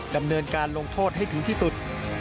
ดำเนินการลงโทษให้ถึงที่สุด